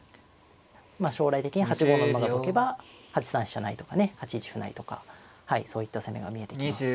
まあ将来的に８五の馬がどけば８三飛車成とかね８一歩成とかそういった攻めが見えてきます。